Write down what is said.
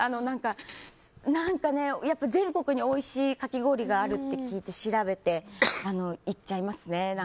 全国においしいかき氷があるって聞いて調べて行っちゃいますね。